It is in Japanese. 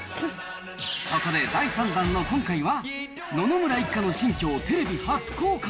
そこで第３弾の今回は、野々村一家の新居をテレビ初公開。